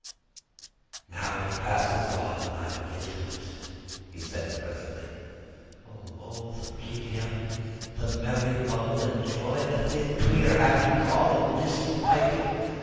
"Now it passes on and I begin to lose it," he said presently. "O Mole! the beauty of it! The merry bubble and joy, the thin, clear, happy call of the distant piping!